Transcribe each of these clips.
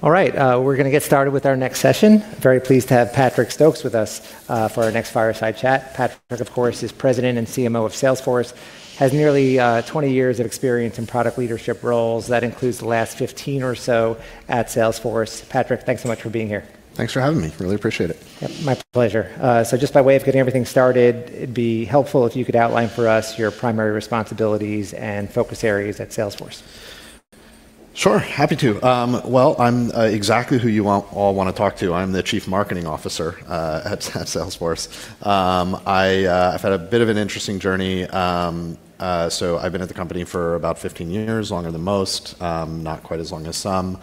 All right. We're going to get started with our next session. Very pleased to have Patrick Stokes with us for our next fireside chat. Patrick, of course, is President and CMO of Salesforce, has nearly 20 years of experience in product leadership roles. That includes the last 15 or so at Salesforce. Patrick, thanks so much for being here. Thanks for having me. Really appreciate it. Yep, my pleasure. Just by way of getting everything started, it'd be helpful if you could outline for us your primary responsibilities and focus areas at Salesforce. Sure, happy to. Well, I'm exactly who you all want to talk to. I'm the Chief Marketing Officer at Salesforce. I've had a bit of an interesting journey. I've been at the company for about 15 years, longer than most, not quite as long as some.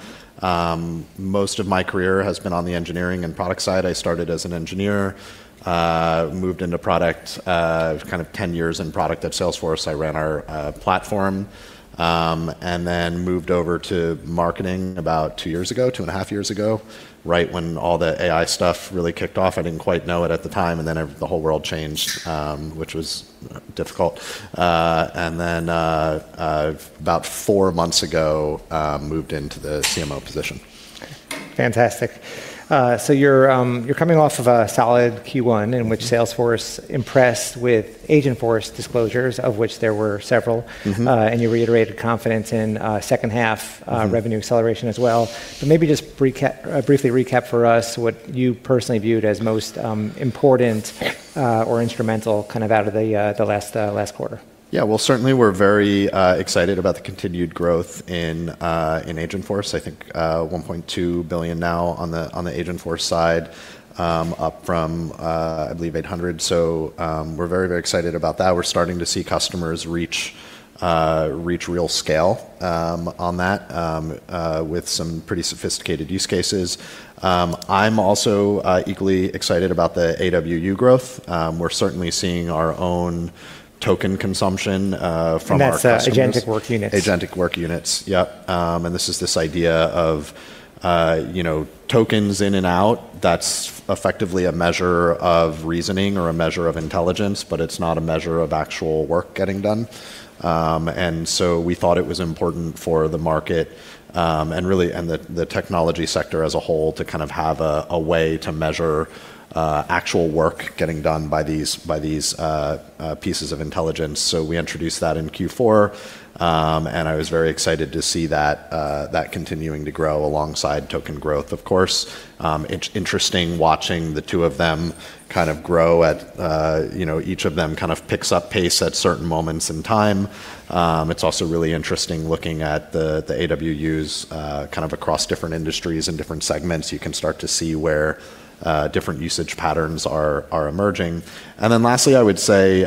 Most of my career has been on the engineering and product side. I started as an engineer, moved into product. Kind of 10 years in product at Salesforce, I ran our platform. Moved over to marketing about two years ago, two and a half years ago, right when all the AI stuff really kicked off. I didn't quite know it at the time, the whole world changed, which was difficult. About four months ago, moved into the CMO position. Fantastic. You're coming off of a solid Q1 in which Salesforce impressed with Einstein disclosures, of which there were several. You reiterated confidence in second half- Revenue acceleration as well. Maybe just briefly recap for us what you personally viewed as most important or instrumental out of the last quarter. Yeah. Well, certainly, we're very excited about the continued growth in Einstein. I think, $1.2 billion now on the Agentforce side, up from, I believe, $800. We're very excited about that. We're starting to see customers reach real scale on that, with some pretty sophisticated use cases. I'm also equally excited about the AWU growth. We're certainly seeing our own token consumption from our customers. That's Agentic Work Units. Agentic Work Units, yep. This is this idea of tokens in and out. That's effectively a measure of reasoning or a measure of intelligence, but it's not a measure of actual work getting done. We thought it was important for the market, and the technology sector as a whole, to have a way to measure actual work getting done by these pieces of intelligence. We introduced that in Q4, and I was very excited to see that continuing to grow alongside token growth, of course. Interesting watching the two of them kind of grow at, each of them kind of picks up pace at certain moments in time. It's also really interesting looking at the AWUs, kind of across different industries and different segments. You can start to see where different usage patterns are emerging. Lastly, I would say,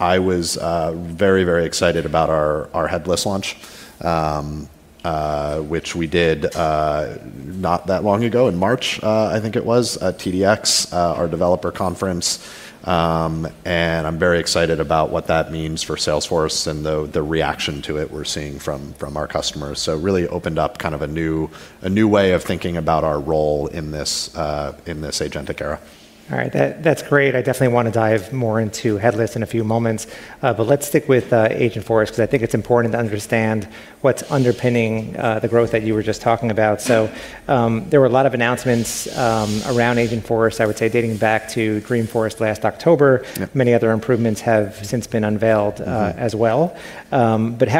I was very excited about our Headless launch, which we did not that long ago in March, I think it was, at TDX, our developer conference. I'm very excited about what that means for Salesforce and the reaction to it we're seeing from our customers. Really opened up kind of a new way of thinking about our role in this agentic era. All right. That's great. I definitely want to dive more into Headless in a few moments. Let's stick with Agentforce, because I think it's important to understand what's underpinning the growth that you were just talking about. There were a lot of announcements around Agentforce, I would say, dating back to Dreamforce last October. Yep. Many other improvements have since been unveiled. How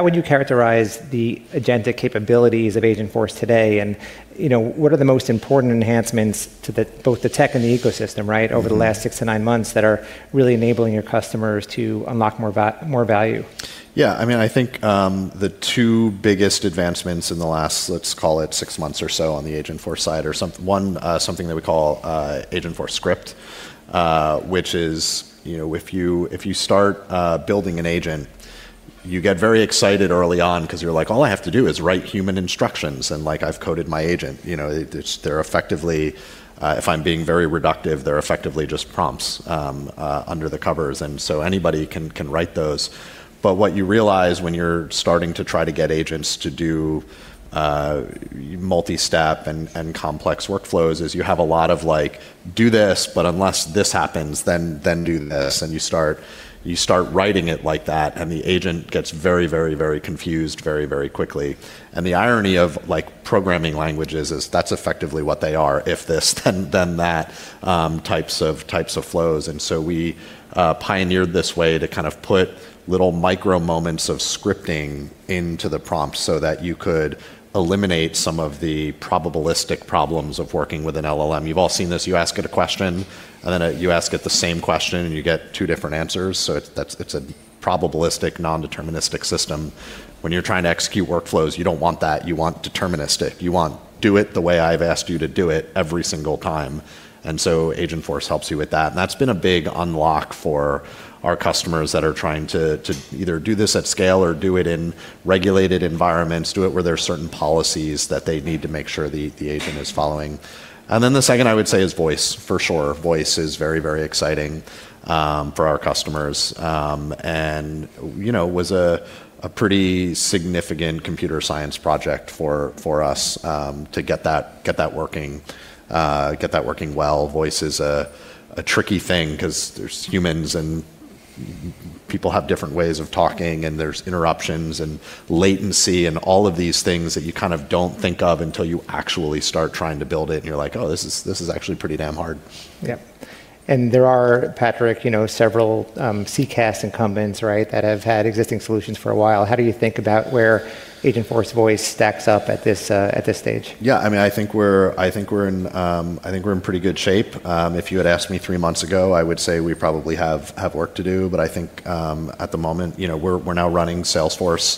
would you characterize the agentic capabilities of Agentforce today, and what are the most important enhancements to both the tech and the ecosystem? over the last six to nine months that are really enabling your customers to unlock more value? Yeah, I think, the two biggest advancements in the last, let's call it six months or so on the Agentforce side are one, something that we call Agent Script. Which is, if you start building an agent, you get very excited early on because you're like, "All I have to do is write human instructions, and like I've coded my agent." If I'm being very reductive, they're effectively just prompts under the covers. Anybody can write those. What you realize when you're starting to try to get agents to do multi-step and complex workflows is you have a lot of like, do this, but unless this happens, then do this. You start writing it like that, and the agent gets very confused very quickly. The irony of programming languages is that's effectively what they are, if this then that, types of flows. We pioneered this way to kind of put little micro moments of scripting into the prompt so that you could eliminate some of the probabilistic problems of working with an LLM. You've all seen this. You ask it a question, then you ask it the same question, and you get two different answers. It's a probabilistic, non-deterministic system. When you're trying to execute workflows, you don't want that. You want deterministic. You want, do it the way I've asked you to do it every single time. Agentforce helps you with that, and that's been a big unlock for our customers that are trying to either do this at scale or do it in regulated environments, do it where there's certain policies that they need to make sure the agent is following. Then the second I would say is voice, for sure. Voice is very exciting for our customers. Was a pretty significant computer science project for us to get that working well. Voice is a tricky thing because there's humans. People have different ways of talking, and there's interruptions and latency and all of these things that you kind of don't think of until you actually start trying to build it, and you're like, "Oh, this is actually pretty damn hard. Yep. There are, Patrick, several CCaaS incumbents that have had existing solutions for a while. How do you think about where Einstein Voice stacks up at this stage? Yeah. I think we're in pretty good shape. If you had asked me three months ago, I would say we probably have work to do, but I think at the moment, we're now running Salesforce,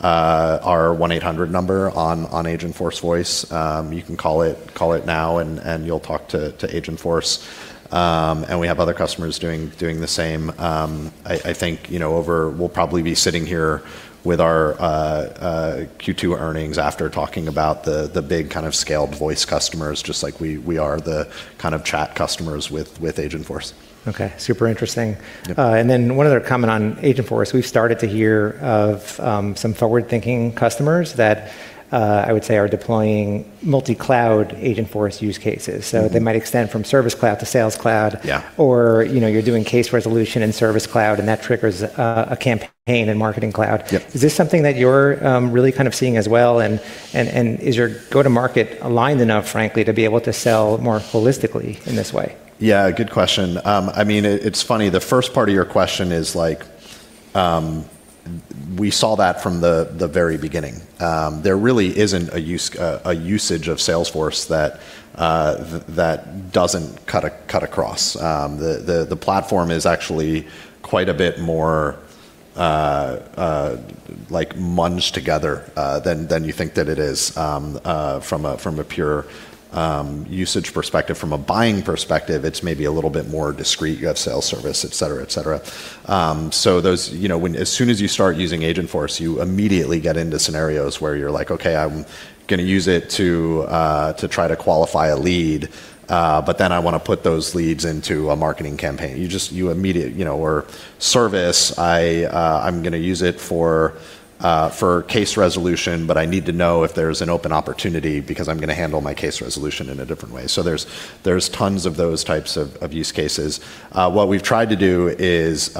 our 1-800 number on Agentforce Voice. You can call it now and you'll talk to Agentforce. We have other customers doing the same. I think we'll probably be sitting here with our Q2 earnings after talking about the big kind of scaled voice customers, just like we are the kind of chat customers with Agentforce. Okay. Super interesting. Yep. One other comment on Einstein, we've started to hear of some forward-thinking customers that I would say are deploying multi-cloud Agentforce use cases. They might extend from Service Cloud to Sales Cloud. Yeah. You're doing case resolution in Service Cloud, and that triggers a campaign in Marketing Cloud. Yep. Is this something that you're really kind of seeing as well? Is your go-to-market aligned enough, frankly, to be able to sell more holistically in this way? Yeah, good question. It's funny, the first part of your question is like, we saw that from the very beginning. There really isn't a usage of Salesforce that doesn't cut across. The platform is actually quite a bit more munched together than you think that it is from a pure usage perspective. From a buying perspective, it's maybe a little bit more discreet. You have sales, service, et cetera. As soon as you start using Agentforce, you immediately get into scenarios where you're like, "Okay, I'm going to use it to try to qualify a lead, but then I want to put those leads into a marketing campaign." Service, I'm going to use it for case resolution, but I need to know if there's an open opportunity because I'm going to handle my case resolution in a different way. There's tons of those types of use cases. What we've tried to do is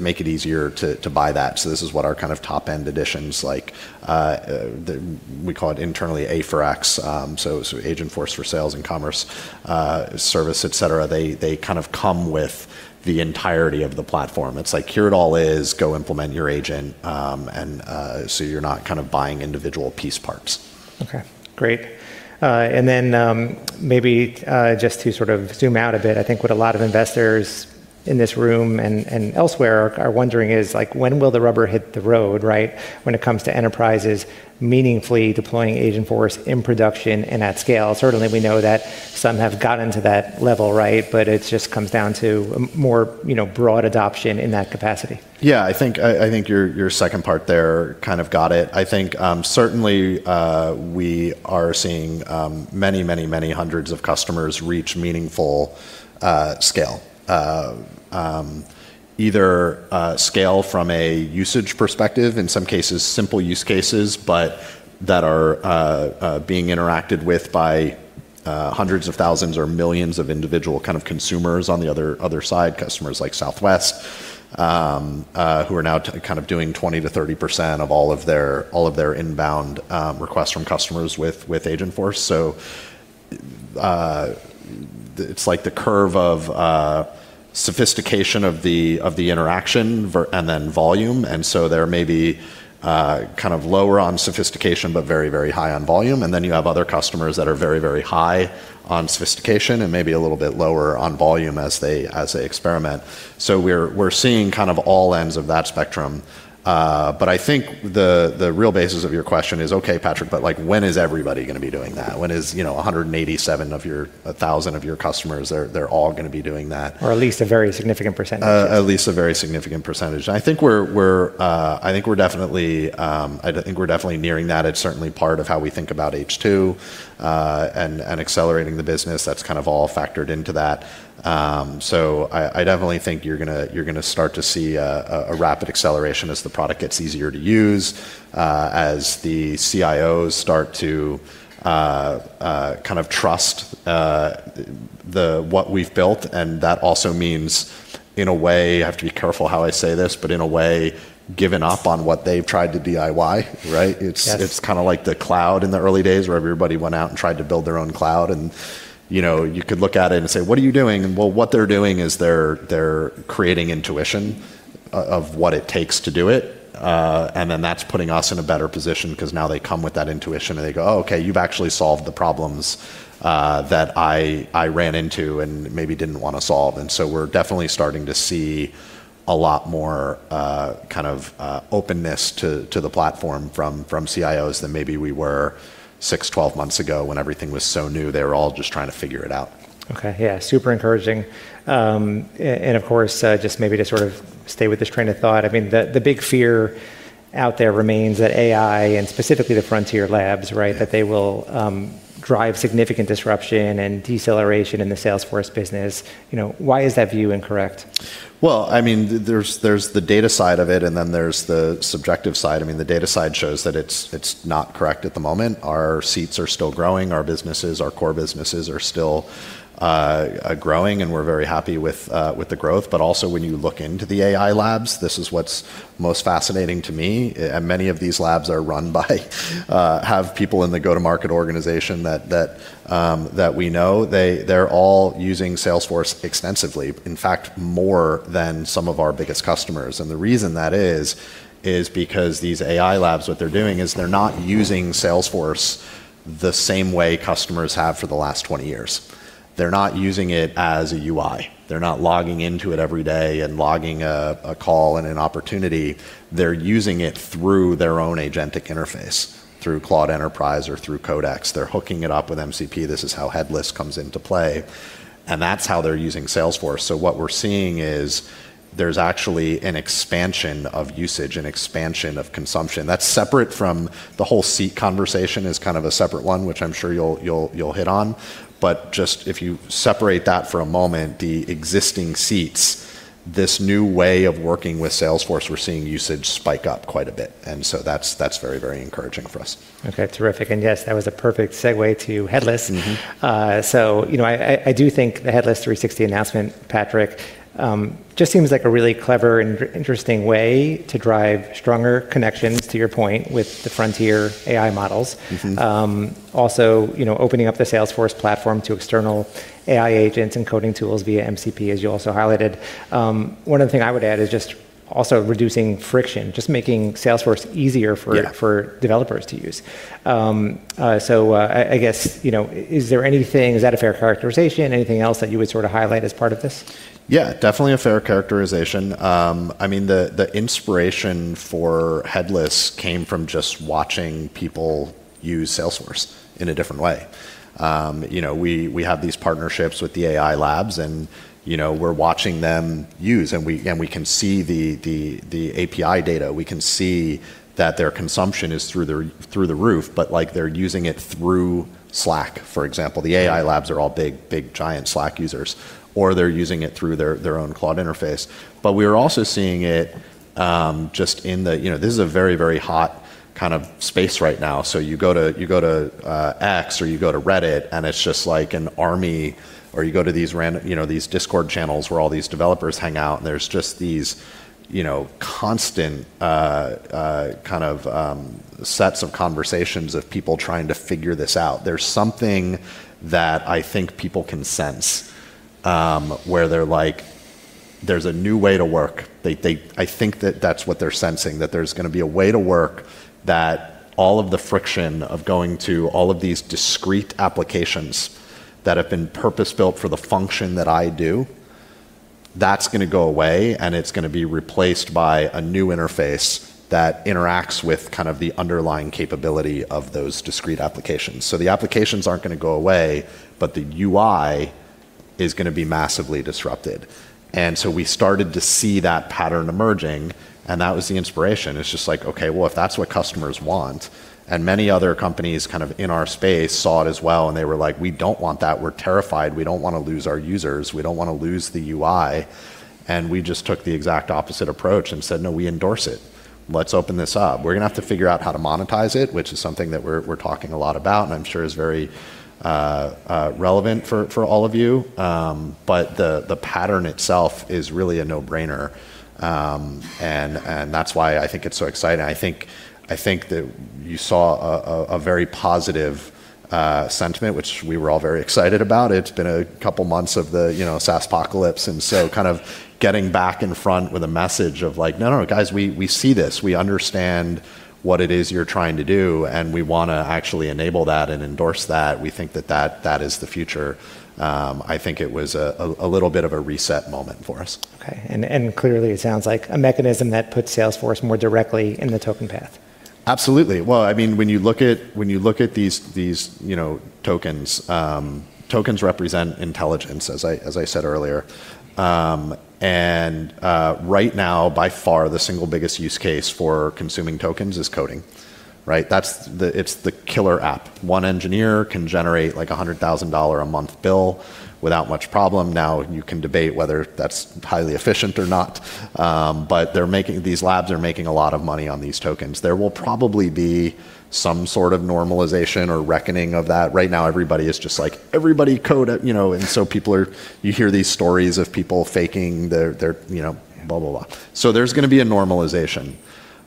make it easier to buy that. This is what our kind of top-end editions like, we call it internally A for X, so Agentforce for Sales and Commerce, Service, et cetera. They kind of come with the entirety of the platform. It's like, here it all is, go implement your agent, so you're not kind of buying individual piece parts. Okay. Great. Maybe just to sort of zoom out a bit, I think what a lot of investors in this room and elsewhere are wondering is like, when will the rubber hit the road, when it comes to enterprises meaningfully deploying Agentforce in production and at scale? Certainly, we know that some have gotten to that level, but it just comes down to more broad adoption in that capacity. I think your second part there got it. Certainly, we are seeing many hundreds of customers reach meaningful scale. Either scale from a usage perspective, in some cases, simple use cases, but that are being interacted with by hundreds of thousands or millions of individual consumers on the other side, customers like Southwest, who are now doing 20%-30% of all of their inbound requests from customers with Agentforce. It's the curve of sophistication of the interaction, then volume, they're maybe lower on sophistication, but very high on volume. Then you have other customers that are very high on sophistication and maybe a little bit lower on volume as they experiment. We're seeing all ends of that spectrum. The real basis of your question is, okay, Patrick, when is everybody going to be doing that? When is 187 of your 1,000 of your customers, they're all going to be doing that? At least a very significant percentage. At least a very significant percentage. We're definitely nearing that. It's certainly part of how we think about H2, accelerating the business. That's all factored into that. You're going to start to see a rapid acceleration as the product gets easier to use, as the CIOs start to trust what we've built, that also means, in a way, I have to be careful how I say this, in a way, given up on what they've tried to DIY, right? Yes. Well, what they're doing is they're creating intuition of what it takes to do it. That's putting us in a better position because now they come with that intuition and they go, "Oh, okay, you've actually solved the problems that I ran into and maybe didn't want to solve." We're definitely starting to see a lot more kind of openness to the platform from CIOs than maybe we were 6, 12 months ago when everything was so new. They were all just trying to figure it out. Okay. Yeah. Super encouraging. Of course, just maybe to sort of stay with this train of thought, I mean, the big fear out there remains that AI and specifically the Frontier labs, that they will drive significant disruption and deceleration in the Salesforce business. Why is that view incorrect? Well, there's the data side of it. There's the subjective side. The data side shows that it's not correct at the moment. Our seats are still growing. Our core businesses are still growing and we're very happy with the growth. Also when you look into the AI labs, this is what's most fascinating to me. Many of these labs have people in the go-to-market organization that we know. They're all using Salesforce extensively. In fact, more than some of our biggest customers. The reason that is because these AI labs, what they're doing is they're not using Salesforce the same way customers have for the last 20 years. They're not using it as a UI. They're not logging into it every day and logging a call and an opportunity. They're using it through their own agentic interface, through Claude Enterprise or through Codex. They're hooking it up with MCP, this is how headless comes into play. That's how they're using Salesforce. What we're seeing is there's actually an expansion of usage and expansion of consumption. That's separate from the whole seat conversation is kind of a separate one, which I'm sure you'll hit on. Just if you separate that for a moment, the existing seats, this new way of working with Salesforce, we're seeing usage spike up quite a bit. That's very encouraging for us. Okay. Terrific. Yes, that was a perfect segue to headless. I do think the Headless 360 announcement, Patrick, just seems like a really clever and interesting way to drive stronger connections, to your point, with the frontier AI models. Also opening up the Salesforce platform to external AI agents and coding tools via MCP, as you also highlighted. One other thing I would add is just also reducing friction, just making Salesforce easier. Yeah for developers to use. I guess is there anything, is that a fair characterization? Anything else that you would sort of highlight as part of this? Yeah, definitely a fair characterization. The inspiration for headless came from just watching people use Salesforce in a different way. We have these partnerships with the AI labs, and we're watching them use, and we can see the API data. We can see that their consumption is through the roof, but they're using it through Slack, for example. The AI labs are all big giant Slack users, or they're using it through their own Claude interface. We're also seeing it just. This is a very hot kind of space right now. You go to X or you go to Reddit and it's just like an army, or you go to these random Discord channels where all these developers hang out, and there's just these constant sets of conversations of people trying to figure this out. There's something that I think people can sense, where they're like, there's a new way to work. I think that that's what they're sensing. That there's going to be a way to work that all of the friction of going to all of these discrete applications that have been purpose-built for the function that I do, that's going to go away and it's going to be replaced by a new interface that interacts with kind of the underlying capability of those discrete applications. The applications aren't going to go away, but the UI is going to be massively disrupted. We started to see that pattern emerging, and that was the inspiration. It's just like, okay, well, if that's what customers want, and many other companies in our space saw it as well, and they were like, "We don't want that. We're terrified. We don't want to lose our users. We don't want to lose the UI." We just took the exact opposite approach and said, "No, we endorse it. Let's open this up." We're going to have to figure out how to monetize it, which is something that we're talking a lot about and I'm sure is very relevant for all of you. The pattern itself is really a no-brainer, and that's why I think it's so exciting. I think that you saw a very positive sentiment, which we were all very excited about. It's been a couple of months of the SaaS apocalypse, kind of getting back in front with a message of like, "No, no, guys, we see this. We understand what it is you're trying to do, and we want to actually enable that and endorse that. We think that that is the future." I think it was a little bit of a reset moment for us. Okay. Clearly, it sounds like a mechanism that puts Salesforce more directly in the token path. Absolutely. Well, when you look at these tokens represent intelligence, as I said earlier. Right now, by far, the single biggest use case for consuming tokens is coding. Right. It's the killer app. One engineer can generate like a $100,000 a month bill without much problem. You can debate whether that's highly efficient or not, these labs are making a lot of money on these tokens. There will probably be some sort of normalization or reckoning of that. Right now, everybody is just like, "Everybody code it." You hear these stories of people faking their blah, blah. There's going to be a normalization.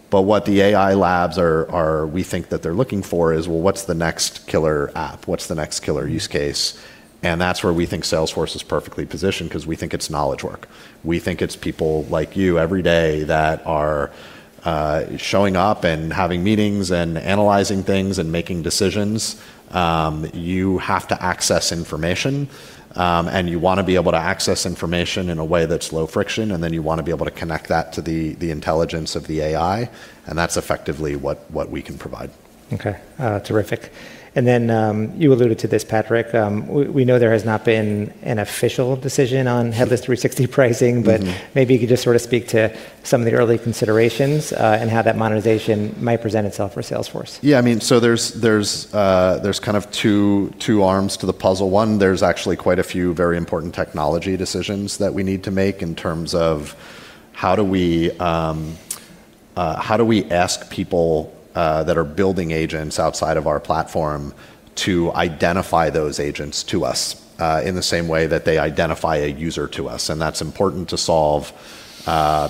What the AI labs are, we think that they're looking for is, well, what's the next killer app? What's the next killer use case? That's where we think Salesforce is perfectly positioned because we think it's knowledge work. We think it's people like you every day that are showing up and having meetings and analyzing things and making decisions. You have to access information, you want to be able to access information in a way that's low friction, you want to be able to connect that to the intelligence of the AI, that's effectively what we can provide. Okay. Terrific. You alluded to this, Patrick. We know there has not been an official decision on Headless 360 pricing, maybe you could just sort of speak to some of the early considerations, how that monetization might present itself for Salesforce. There's kind of two arms to the puzzle. One, there's actually quite a few very important technology decisions that we need to make in terms of how do we ask people that are building agents outside of our platform to identify those agents to us in the same way that they identify a user to us? That's important to solve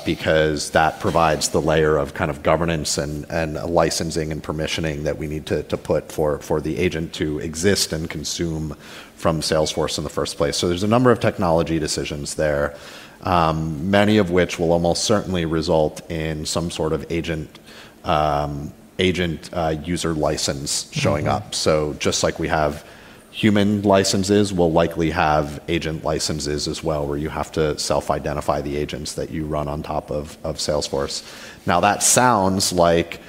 because that provides the layer of kind of governance and licensing and permissioning that we need to put for the agent to exist and consume from Salesforce in the first place. There's a number of technology decisions there, many of which will almost certainly result in some sort of agent user license showing up. Just like we have human licenses, we'll likely have agent licenses as well, where you have to self-identify the agents that you run on top of Salesforce. Now, that sounds like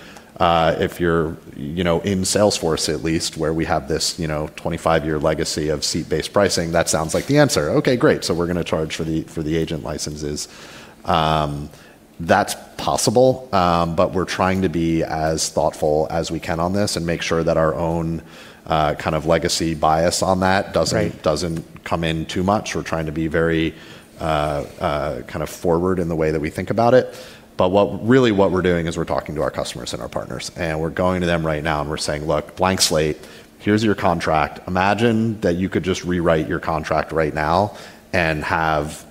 if you're in Salesforce at least, where we have this 25-year legacy of seat-based pricing, that sounds like the answer. Okay, great. We're going to charge for the agent licenses. That's possible, but we're trying to be as thoughtful as we can on this and make sure that our own kind of legacy bias on that doesn't- Right come in too much. We're trying to be very kind of forward in the way that we think about it. Really what we're doing is we're talking to our customers and our partners, and we're going to them right now and we're saying, "Look, blank slate. Here's your contract. Imagine that you could just rewrite your contract right now and have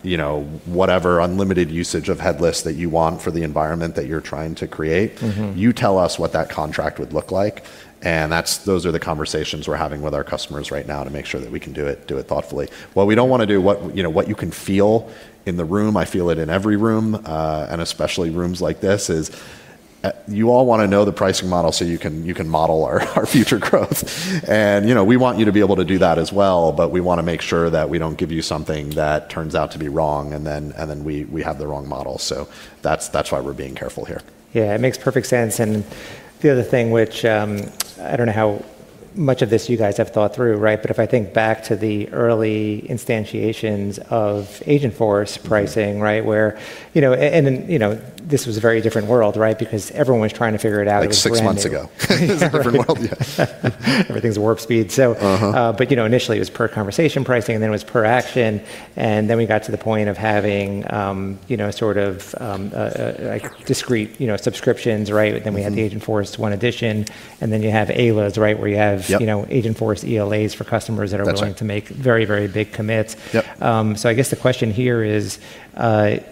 whatever unlimited usage of headless that you want for the environment that you're trying to create. You tell us what that contract would look like, those are the conversations we're having with our customers right now to make sure that we can do it thoughtfully. What we don't want to do, what you can feel in the room, I feel it in every room, and especially rooms like this, is you all want to know the pricing model so you can model our future growth. We want you to be able to do that as well, we want to make sure that we don't give you something that turns out to be wrong, then we have the wrong model. That's why we're being careful here. Yeah, it makes perfect sense. The other thing which, I don't know how much of this you guys have thought through, right? If I think back to the early instantiations of Agentforce pricing, right? Then this was a very different world, right? Because everyone was trying to figure it out. It was brand new. Like six months ago. It was a different world, yeah. Everything's warp speed. Initially it was per conversation pricing, and then it was per action, and then we got to the point of having sort of discrete subscriptions, right? we had the Agentforce 1 Edition, you have ELAs, right? Where you have Yep Agentforce ELAs for customers that are That's right going to make very, very big commits. Yep. I guess the question here is the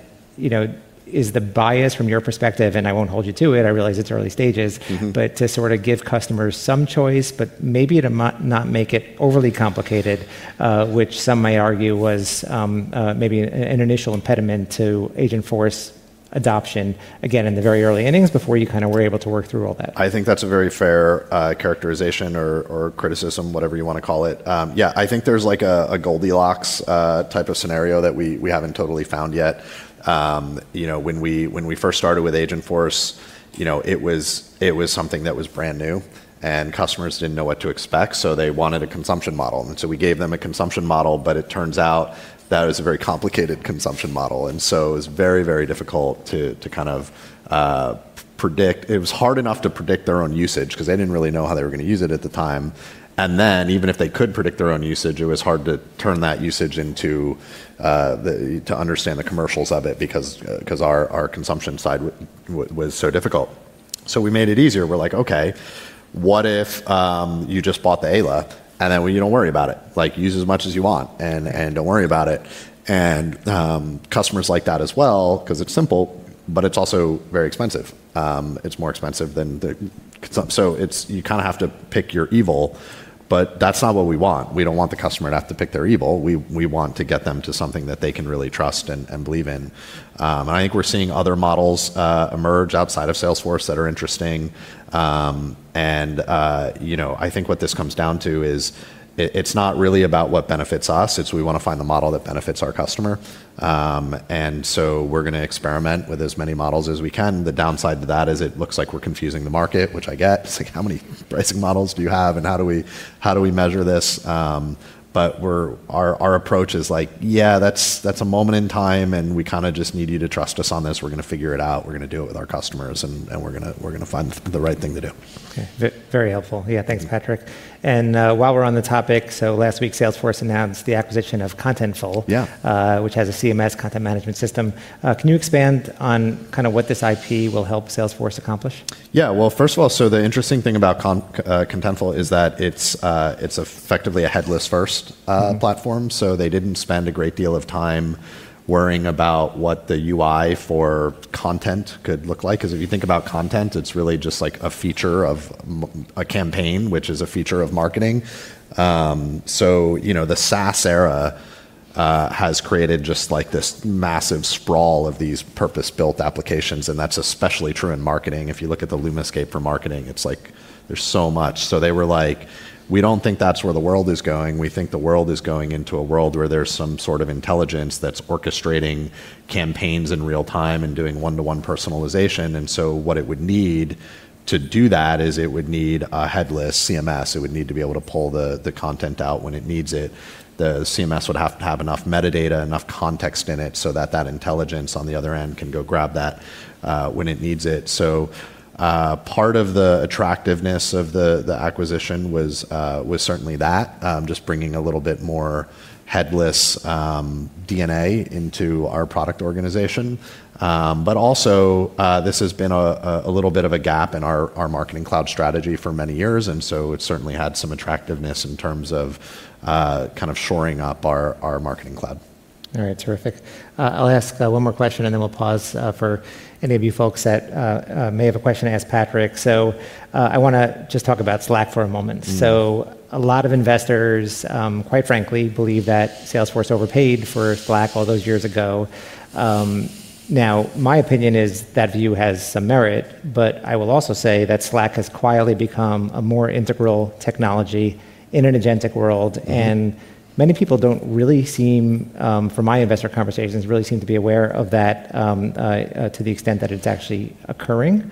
bias from your perspective, and I won't hold you to it, I realize it's early stages. To sort of give customers some choice, but maybe to not make it overly complicated, which some may argue was maybe an initial impediment to Agentforce adoption, again, in the very early innings before you kind of were able to work through all that. I think that's a very fair characterization or criticism, whatever you want to call it. Yeah. I think there's a Goldilocks type of scenario that we haven't totally found yet. When we first started with Agentforce, it was something that was brand new and customers didn't know what to expect, they wanted a consumption model. We gave them a consumption model, it turns out that it was a very complicated consumption model. It was very difficult to kind of predict. It was hard enough to predict their own usage because they didn't really know how they were going to use it at the time. Even if they could predict their own usage, it was hard to turn that usage to understand the commercials of it because our consumption side was so difficult. We made it easier. We're like, "Okay, what if you just bought the ELA, then you don't worry about it. Use it as much as you want and don't worry about it." Customers like that as well because it's simple, but it's also very expensive. It's more expensive than the, you kind of have to pick your evil, but that's not what we want. We don't want the customer to have to pick their evil. We want to get them to something that they can really trust and believe in. I think we're seeing other models emerge outside of Salesforce that are interesting. I think what this comes down to is it's not really about what benefits us, it's we want to find the model that benefits our customer. We're going to experiment with as many models as we can. The downside to that is it looks like we're confusing the market, which I get. It's like, how many pricing models do you have and how do we measure this? Our approach is like, yeah, that's a moment in time, and we kind of just need you to trust us on this. We're going to figure it out. We're going to do it with our customers, and we're going to find the right thing to do. Okay. Very helpful. Yeah. Thanks, Patrick. While we're on the topic, last week Salesforce announced the acquisition of Contentful. Yeah. Which has a CMS, content management system. Can you expand on kind of what this IP will help Salesforce accomplish? Yeah. Well, first of all, the interesting thing about Contentful is that it's effectively a headless-first platform. They didn't spend a great deal of time worrying about what the UI for content could look like. Because if you think about content, it's really just like a feature of a campaign, which is a feature of marketing. The SaaS era has created just this massive sprawl of these purpose-built applications, and that's especially true in marketing. If you look at the LUMAscape for marketing, it's like there's so much. They were like, "We don't think that's where the world is going. We think the world is going into a world where there's some sort of intelligence that's orchestrating campaigns in real time and doing one-to-one personalization." What it would need to do that is it would need a headless CMS. It would need to be able to pull the content out when it needs it. The CMS would have to have enough metadata, enough context in it so that that intelligence on the other end can go grab that when it needs it. Part of the attractiveness of the acquisition was certainly that, just bringing a little bit more headless DNA into our product organization. Also, this has been a little bit of a gap in our Marketing Cloud strategy for many years, it certainly had some attractiveness in terms of kind of shoring up our Marketing Cloud. All right. Terrific. I'll ask one more question and then we'll pause for any of you folks that may have a question to ask Patrick. I want to just talk about Slack for a moment. A lot of investors, quite frankly, believe that Salesforce overpaid for Slack all those years ago. Now, my opinion is that view has some merit, but I will also say that Slack has quietly become a more integral technology in an agentic world. Many people don't really seem, from my investor conversations, really seem to be aware of that to the extent that it's actually occurring.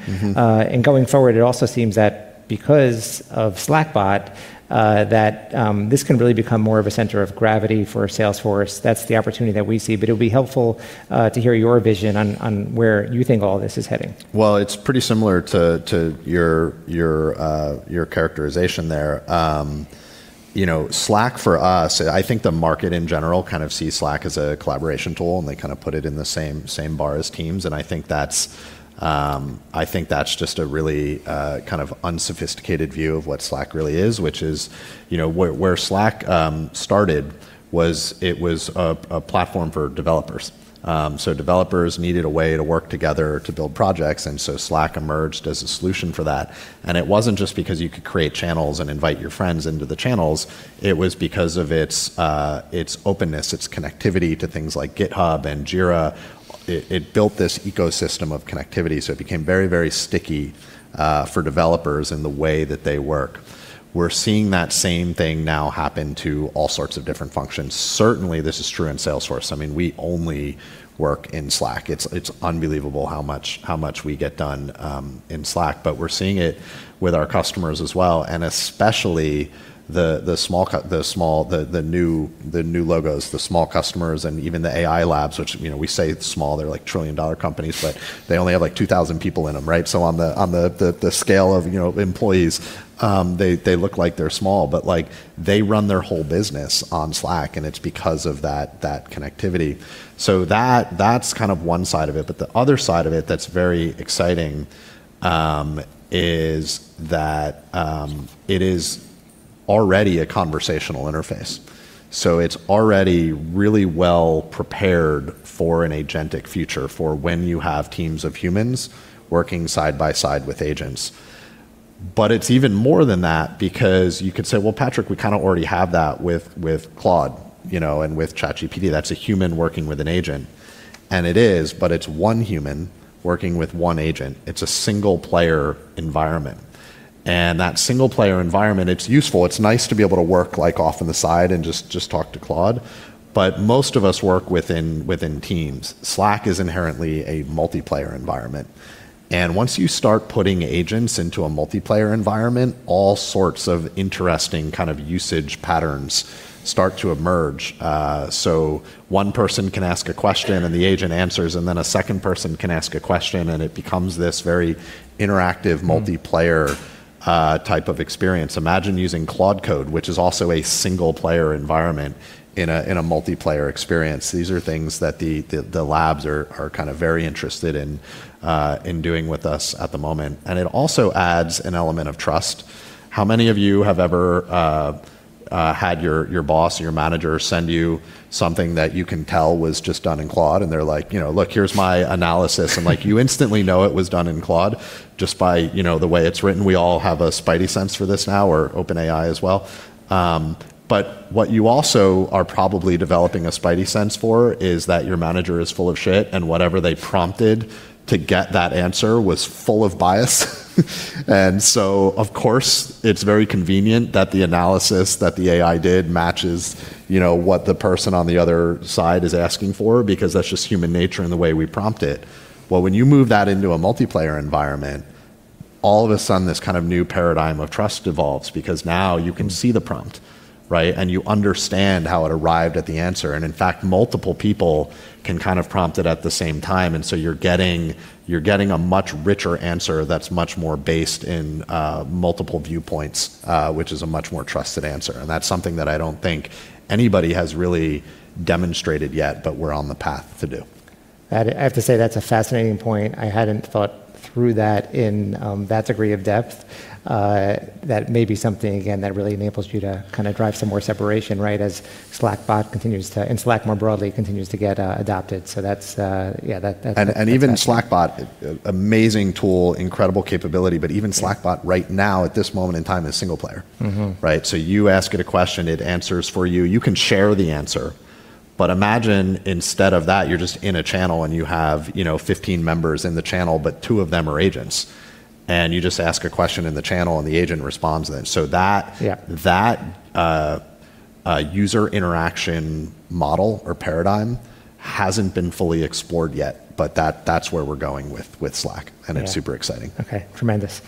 Going forward, it also seems that because of Slackbot, that this can really become more of a center of gravity for Salesforce. That's the opportunity that we see. It'll be helpful to hear your vision on where you think all this is heading. Well, it's pretty similar to your characterization there. Slack for us, I think the market in general kind of sees Slack as a collaboration tool, and they kind of put it in the same bar as Teams. I think that's just a really kind of unsophisticated view of what Slack really is. Which is, where Slack started was it was a platform for developers. Developers needed a way to work together to build projects, and so Slack emerged as a solution for that. It wasn't just because you could create channels and invite your friends into the channels, it was because of its openness, its connectivity to things like GitHub and Jira. It built this ecosystem of connectivity, so it became very, very sticky for developers in the way that they work. We're seeing that same thing now happen to all sorts of different functions. Certainly, this is true in Salesforce. We only work in Slack. It's unbelievable how much we get done in Slack. We're seeing it with our customers as well, and especially the new logos, the small customers, and even the AI labs, which we say small, they're trillion-dollar companies, but they only have 2,000 people in them, right? On the scale of employees, they look like they're small, but they run their whole business on Slack, and it's because of that connectivity. That's kind of one side of it, but the other side of it that's very exciting is that it is already a conversational interface. It's already really well prepared for an agentic future, for when you have teams of humans working side by side with agents. It's even more than that because you could say, "Well, Patrick, we kind of already have that with Claude and with ChatGPT. That's a human working with an agent." It is, but it's one human working with one agent. It's a single-player environment. That single-player environment, it's useful. It's nice to be able to work off on the side and just talk to Claude. Most of us work within teams. Slack is inherently a multiplayer environment. Once you start putting agents into a multiplayer environment, all sorts of interesting kind of usage patterns start to emerge. One person can ask a question and the agent answers, and then a second person can ask a question, and it becomes this very interactive multiplayer type of experience. Imagine using Claude Code, which is also a single-player environment, in a multiplayer experience. These are things that the labs are kind of very interested in doing with us at the moment. It also adds an element of trust. How many of you have ever had your boss or your manager send you something that you can tell was just done in Claude, and they're like, "Look, here's my analysis." You instantly know it was done in Claude just by the way it's written. We all have a Spidey sense for this now, or OpenAI as well. What you also are probably developing a Spidey sense for is that your manager is full of shit, and whatever they prompted to get that answer was full of bias. Of course, it's very convenient that the analysis that the AI did matches what the person on the other side is asking for, because that's just human nature and the way we prompt it. Well, when you move that into a multiplayer environment, all of a sudden this kind of new paradigm of trust evolves because now you can see the prompt, right? You understand how it arrived at the answer. In fact, multiple people can kind of prompt it at the same time. You're getting a much richer answer that's much more based in multiple viewpoints, which is a much more trusted answer. That's something that I don't think anybody has really demonstrated yet, but we're on the path to do. I have to say, that's a fascinating point. I hadn't thought through that in that degree of depth. That may be something, again, that really enables you to kind of drive some more separation, right, as Slackbot and Slack more broadly continues to get adopted. That's. Even Slackbot, amazing tool, incredible capability, but even Slackbot right now, at this moment in time, is single player. You ask it a question, it answers for you. You can share the answer. Imagine instead of that, you're just in a channel and you have 15 members in the channel, but two of them are agents. You just ask a question in the channel and the agent responds then. Yeah That user interaction model or paradigm hasn't been fully explored yet, but that's where we're going with Slack. Yeah. It's super exciting. Okay. Tremendous.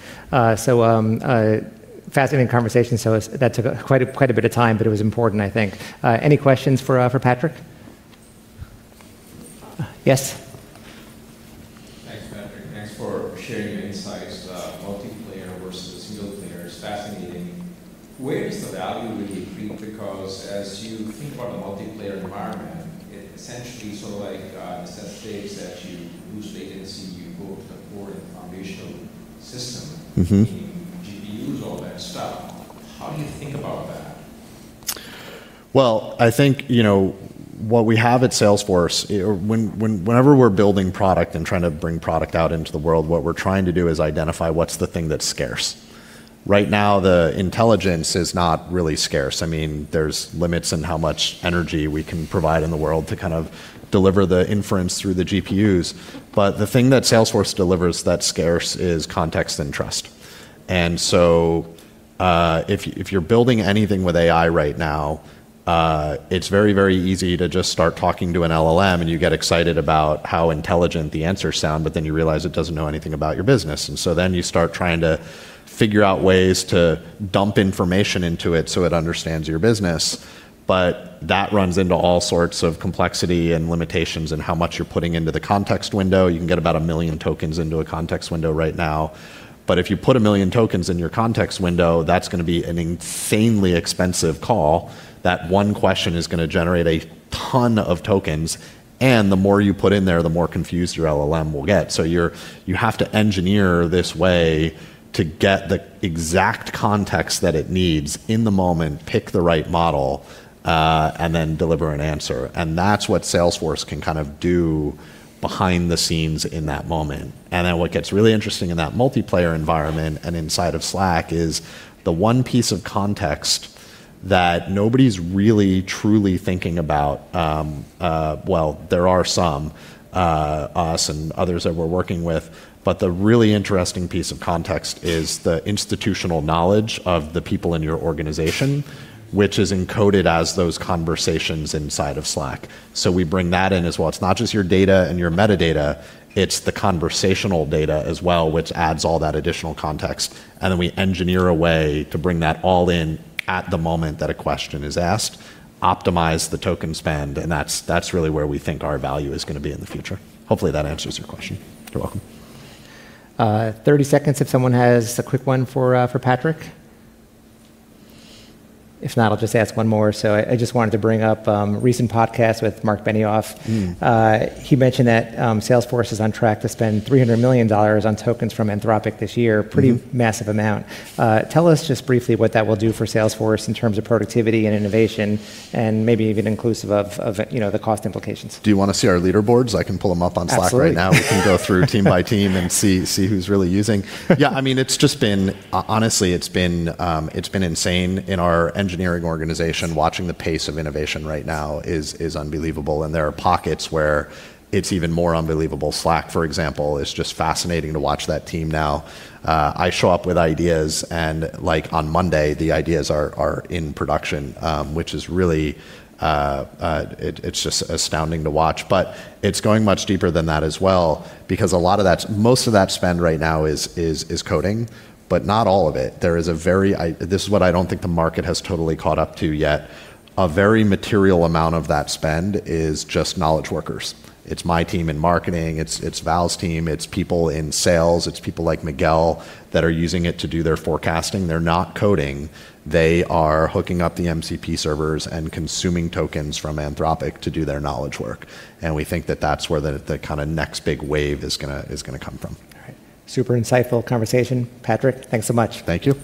Fascinating conversation. That took quite a bit of time, but it was important, I think. Any questions for Patrick? Yes. Thanks, Patrick. Thanks for sharing your insights about multiplayer versus single player. It's fascinating. Where does the value really creep? As you think about a multiplayer environment, it essentially sort of like instead of shapes that you lose latency, you go to the core and foundational system. GPUs, all that stuff. How do you think about that? Well, I think what we have at Salesforce, whenever we're building product and trying to bring product out into the world, what we're trying to do is identify what's the thing that's scarce. Right now, the intelligence is not really scarce. There's limits in how much energy we can provide in the world to kind of deliver the inference through the GPUs. The thing that Salesforce delivers that's scarce is context and trust. If you're building anything with AI right now, it's very easy to just start talking to an LLM, and you get excited about how intelligent the answers sound, but then you realize it doesn't know anything about your business. You start trying to figure out ways to dump information into it so it understands your business. That runs into all sorts of complexity and limitations in how much you're putting into the context window. You can get about 1 million tokens into a context window right now, but if you put 1 million tokens in your context window, that's going to be an insanely expensive call. That one question is going to generate a ton of tokens, and the more you put in there, the more confused your LLM will get. You have to engineer this way to get the exact context that it needs in the moment, pick the right model, and then deliver an answer. That's what Salesforce can kind of do behind the scenes in that moment. What gets really interesting in that multiplayer environment and inside of Slack is the one piece of context that nobody's really, truly thinking about. Well, there are some, us and others that we're working with. The really interesting piece of context is the institutional knowledge of the people in your organization, which is encoded as those conversations inside of Slack. We bring that in as well. It's not just your data and your metadata, it's the conversational data as well, which adds all that additional context. We engineer a way to bring that all in at the moment that a question is asked, optimize the token spend, and that's really where we think our value is going to be in the future. Hopefully, that answers your question. You're welcome. 30 seconds if someone has a quick one for Patrick. If not, I'll just ask one more. I just wanted to bring up a recent podcast with Marc Benioff. He mentioned that Salesforce is on track to spend $300 million on tokens from Anthropic this year. Pretty massive amount. Tell us just briefly what that will do for Salesforce in terms of productivity and innovation and maybe even inclusive of the cost implications. Do you want to see our leaderboards? I can pull them up on Slack right now. Absolutely. We can go through team by team and see who's really using. Yeah, it's just been, honestly, it's been insane in our engineering organization. Watching the pace of innovation right now is unbelievable, and there are pockets where it's even more unbelievable. Slack, for example, is just fascinating to watch that team now. I show up with ideas and on Monday, the ideas are in production, which is really just astounding to watch. It's going much deeper than that as well, because most of that spend right now is coding, but not all of it. This is what I don't think the market has totally caught up to yet. A very material amount of that spend is just knowledge workers. It's my team in marketing. It's Val's team. It's people in sales. It's people like Miguel that are using it to do their forecasting. They're not coding. They are hooking up the MCP servers and consuming tokens from Anthropic to do their knowledge work. We think that that's where the kind of next big wave is going to come from. All right. Super insightful conversation. Patrick, thanks so much. Thank you.